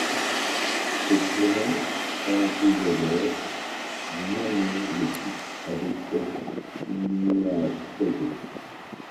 Cette journée, pendant plusieurs heures, je maniai le pic avec opiniâtreté.